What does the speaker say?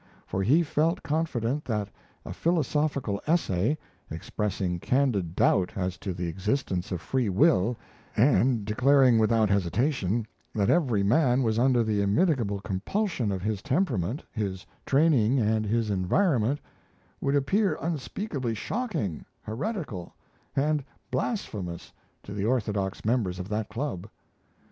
For he felt confident that a philosophical essay, expressing candid doubt as to the existence of free will, and declaring without hesitation that every man was under the immitigable compulsion of his temperament, his training, and his environment, would appear unspeakably shocking, heretical and blasphemous to the orthodox members of that club.